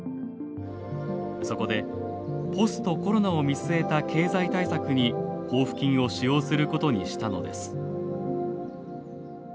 そこでポストコロナを見据えた経済対策に交付金を使用することにしたのです。